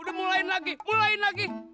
udah mulain lagi mulain lagi